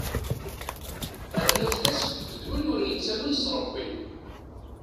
Arnaflas d win ur nettamen s Rebbi.